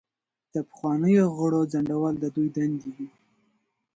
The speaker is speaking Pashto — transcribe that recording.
د پخوانیو غړو ځنډول د دوی دندې دي.